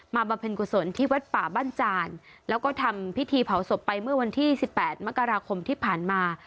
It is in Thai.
บำเพ็ญกุศลที่วัดป่าบ้านจานแล้วก็ทำพิธีเผาศพไปเมื่อวันที่๑๘มกราคมที่ผ่านมา